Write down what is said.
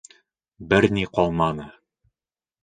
Бер ни ҡалманы.